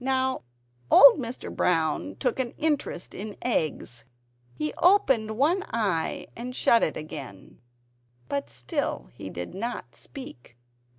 Now old Mr. Brown took an interest in eggs; he opened one eye and shut it again. But still he did not speak.